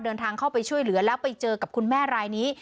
เดินทางเข้าไปช่วยเหลือแล้วไปเจอกับคุณแม่รายนี้